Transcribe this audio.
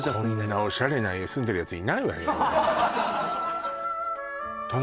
こんなオシャレな家住んでるやついないわよ